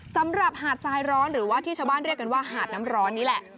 หาดทรายร้อนหรือว่าที่ชาวบ้านเรียกกันว่าหาดน้ำร้อนนี่แหละ